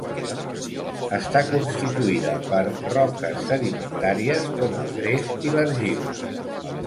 Està constituïda per roques sedimentàries com el gres i l'argila.